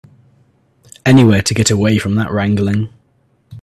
Anywhere to get away from that wrangling.